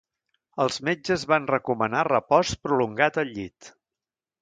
Els metges van recomanar repòs prolongat al llit.